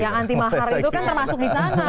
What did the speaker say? yang anti mahar itu kan termasuk di sana